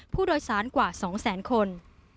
ผู้โดยสารกว่า๒๐๐๐๐๐คน